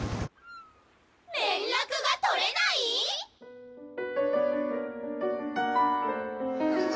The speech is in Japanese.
連絡が取れない⁉わあ！